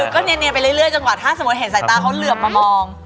ก็เนียนไปเรื่อยจนกว่าถ้าสมมุติเห็นสายตาเขาเหลือบมามอง